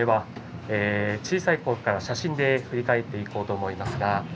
小さいころからの写真を振り返ってみようと思います。